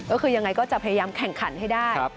ก็คือยังไงก็จะพยายามแข่งขันให้ได้